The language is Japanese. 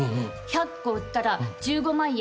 １００個売ったら１５万円。